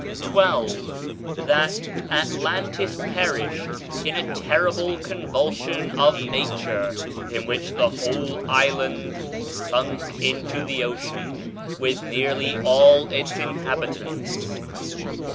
12. That Atlantis perished in a terrible convulsion of nature, in which the whole island sunk into the ocean, with nearly all its inhabitants.